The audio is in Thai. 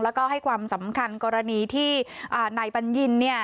แล้วก็ให้ความสำคัญกรณีที่นายบัญญินเนี่ย